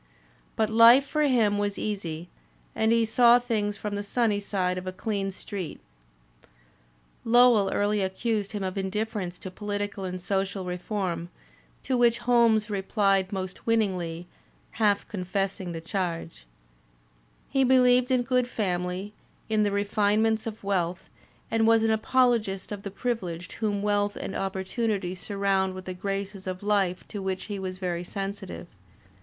But life for him was easy, and he saw things from the sunny side of a clean street. Digitized by Google 168 THE SPIRIT OP AMERICAN LITERATURE Lowell early accused him of indifference to political and social reform, to which Holmes rephed most winningly, half con fessing the charge. He beheved in good family, in the re finements of wealth, and was an apologist of the privileged whom wealth and opportunity surround with the graces of life to which he was very sensitive.